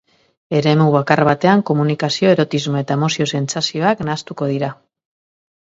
Eremu bakar batean, komunikazio, erotismo eta emozio sentsazioak nahastuko dira.